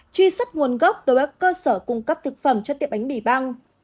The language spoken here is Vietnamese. truy xuất nguồn gốc đối với các cơ sở cung cấp thực phẩm cho tiệm bánh mì băng